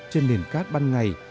trên nền cát ban ngày